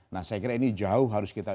nah saya kira ini jauh harus kita